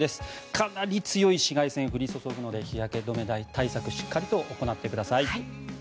かなり強い紫外線が降り注ぐので日焼け止め対策をしっかり行ってください。